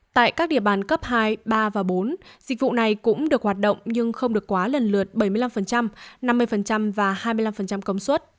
tại các địa bàn cấp hai ba và bốn dịch vụ này cũng được hoạt động nhưng không được quá lần lượt bảy mươi năm năm mươi và hai mươi năm công suất